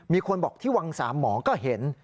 มีคนบอกที่วังสามหมอก็เห็น